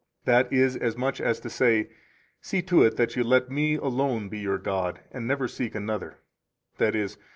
That is as much as to say: "See to it that you let Me alone be your God, and never seek another," i.e.